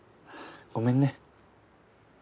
ごめんね。